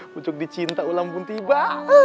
pujuk di cinta ulang pun tiba